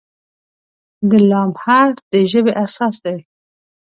د "ل" حرف د ژبې اساس دی.